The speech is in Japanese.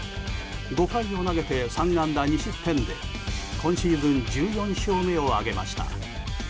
５回を投げて３安打２失点で今シーズン１４勝目を挙げました。